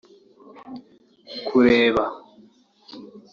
Kureba